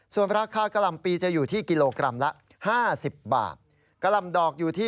ส่วนราคากะล่ำปีจะอยู่ที่กิโลกรัมละ๕๐บาท